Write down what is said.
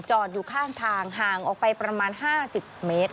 อยู่ข้างทางห่างออกไปประมาณ๕๐เมตร